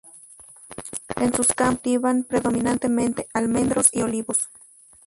En sus campos se cultivan predominantemente almendros y olivos.